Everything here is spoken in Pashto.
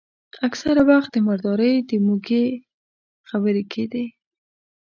اکثره وخت د مردارۍ د موږي خبرې کېدې.